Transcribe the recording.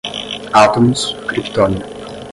átomos, criptônio